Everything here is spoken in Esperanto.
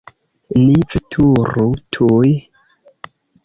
Ni veturu tuj!